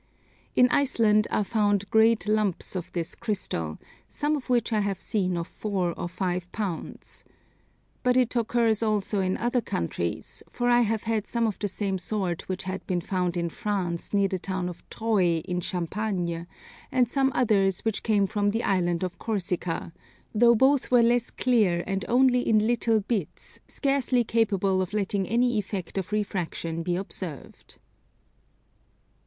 In Iceland are found great lumps of this Crystal, some of which I have seen of 4 or 5 pounds. But it occurs also in other countries, for I have had some of the same sort which had been found in France near the town of Troyes in Champagne, and some others which came from the Island of Corsica, though both were less clear and only in little bits, scarcely capable of letting any effect of refraction be observed.